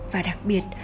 và đặc biệt